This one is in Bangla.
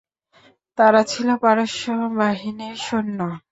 তারা ছিল পারস্য বাহিনীর সৈন্য।